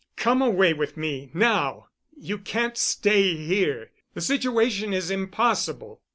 "Come away with me—now. You can't stay here. The situation is impossible."